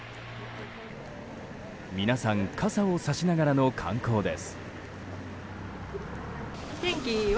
皆さん、傘をさしながらの観光です。